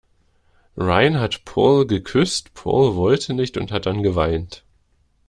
Rayen hat Paul geküsst, Paul wollte nicht und hat dann geweint.